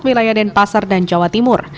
wilayah denpasar dan jawa timur